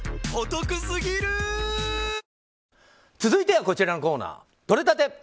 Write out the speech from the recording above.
続いては、こちらのコーナーとれたて！